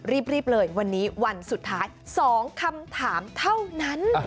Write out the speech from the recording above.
รีบเลยวันนี้วันสุดท้าย๒คำถามเท่านั้น